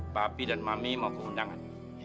bapak fi dan mami mau ke undangan